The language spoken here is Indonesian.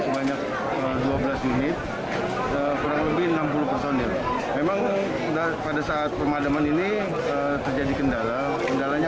sebanyak dua belas unit kurang lebih enam puluh personil memang udah pada saat pemadaman ini terjadi kendala kendalanya